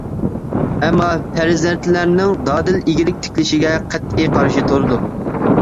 ئەمما پەرزەنتلىرىنىڭ دادىل ئىگىلىك تىكلىشىگە قەتئىي قارىشى تۇرىدۇ.